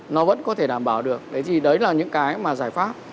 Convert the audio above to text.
nó vẫn có thể đảm bảo được đấy là những cái mà giải pháp